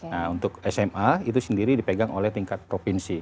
nah untuk sma itu sendiri dipegang oleh tingkat provinsi